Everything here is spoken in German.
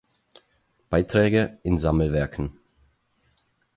Beiträge in Sammelwerken